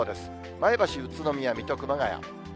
前橋、宇都宮、水戸、熊谷。